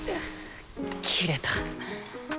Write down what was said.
切れた。